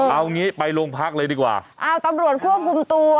เอ้อนี่คือแหง๐๙